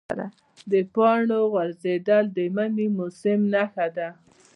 د پاڼو غورځېدل د مني موسم نښه ده.